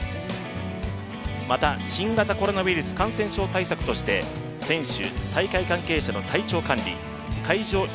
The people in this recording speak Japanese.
また新型コロナウイルス感染症対策として選手、大会関係者の体調管理会場